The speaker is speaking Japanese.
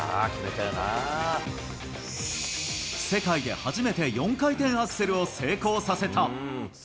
世界で初めて４回転アクセルを成功させた。